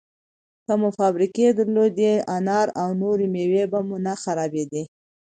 که مو فابریکې درلودی، انار او نورې مېوې به مو نه خرابېدې!